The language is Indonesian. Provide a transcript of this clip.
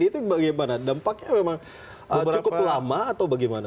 itu bagaimana dampaknya memang cukup lama atau bagaimana